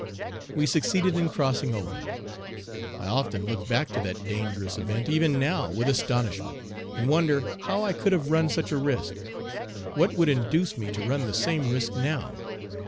We succeeded in crossing over. I often look back to that dangerous event even now with astonishment, and wonder how I could have run such a risk. What would induce me to run the same risk now?